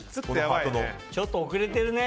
ちょっと遅れてるね。